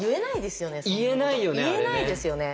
言えないですよね